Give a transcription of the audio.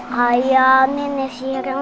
kayak nenek sihir yang didongeng